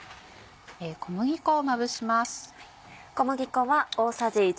小麦粉をまぶします。